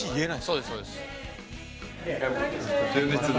そうですそうです。